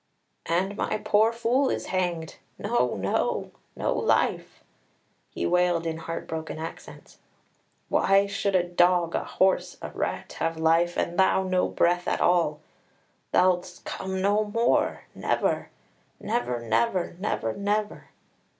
"And my poor fool is hanged! No, no, no life!" he wailed in heart broken accents. "Why should a dog, a horse, a rat, have life, and thou no breath at all? Thou'lt come no more never, never, never, never, never!